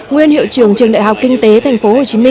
nguyên hiệu trưởng trường đại học kinh tế tp hcm